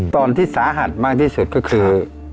ตอนที่สาหัสมากที่สุดก็คือ